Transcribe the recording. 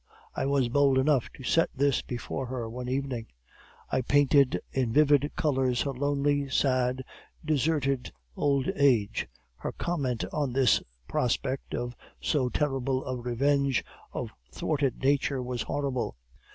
I was bold enough to set this before her one evening; I painted in vivid colors her lonely, sad, deserted old age. Her comment on this prospect of so terrible a revenge of thwarted nature was horrible.